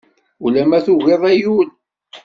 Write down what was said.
Ulamma tugid ay ul.